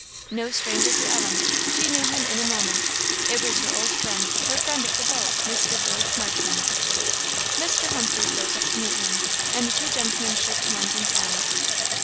No stranger to Ellen! she knew him in a moment it was her old friend, her friend of the boat Mr. George Marshman. Mr. Humphreys rose up to meet him, and the two gentlemen shook hands in silence.